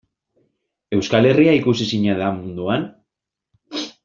Euskal Herria ikusezina da munduan?